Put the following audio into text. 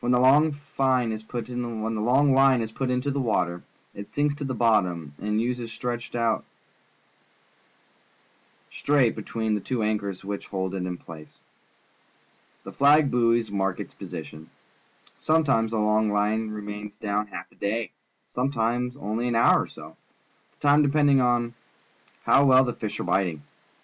TMien the long fine is put into the water, it sinks to the bottom and Ues stretched out straight between the two anchors which hold it in place. The flag buoys mark its position. Sometimes the long line remains down half a day, sometimes onh' an hour or so, the time depending upon how well the fish are biting.